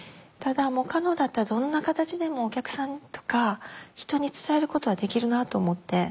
ただ可能だったらどんな形でもお客さんとか人に伝えることはできるなと思って。